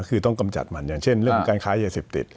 ก็คือต้องกำจัดมันอย่างเช่นเรื่องของการค้ายาเสพติด